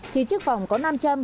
thì chiếc vòng có năm trăm linh